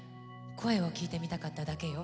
声をきいてみたかっただけよ。